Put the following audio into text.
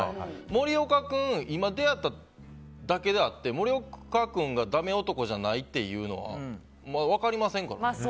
森岡君は今、出会っただけであって森岡君がダメ男じゃないっていうのは分かりませんからね。